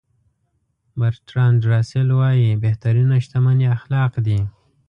برتراند راسل وایي بهترینه شتمني اخلاق دي.